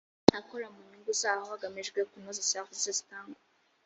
akora mu nyungu zako hagamijwe kunoza serivisi zitangwa